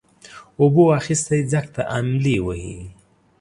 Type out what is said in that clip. اوبو اخيستى ځگ ته املې وهي.